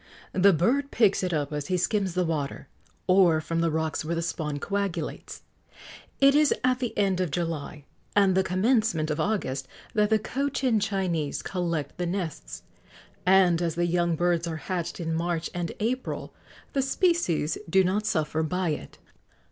The bird picks it up as he skims the water, or from the rocks where the spawn coagulates. It is at the end of July and the commencement of August that the Cochin Chinese collect the nests, and, as the young birds are hatched in March and April, the species do not suffer by it.